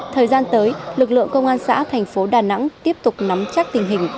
thời gian tới lực lượng công an xã thành phố đà nẵng tiếp tục nắm chắc tình hình